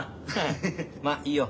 まっいいよ。